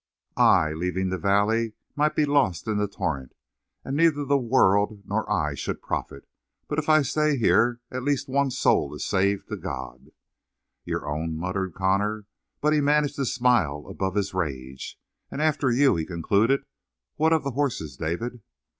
"I, leaving the valley, might be lost in the torrent. And neither the world nor I should profit. But if I stay here, at least one soul is saved to God." "Your own?" muttered Connor. But he managed to smile above his rage. "And after you," he concluded, "what of the horses, David?"